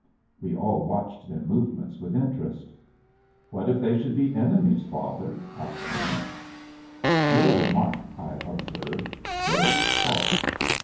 We all watched their movements with interest. " What if they should be enemies, father ?" asked Ernest. "Your remark," I observed, "shows thought.